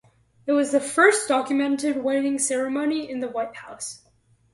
It was the first documented wedding ceremony in the White House.